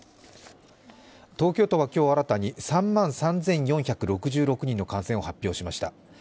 東京都は今日新たに３万３４６６人の感染を発表しました。